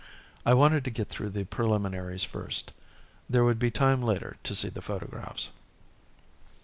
I wanted to get through the preliminaries first. There would be time later to see the photographs.